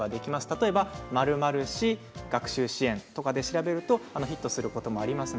例えば○○市学習支援とかで調べるとヒットすることもあります。